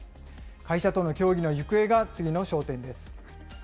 会社との協議の行方が次の焦点です。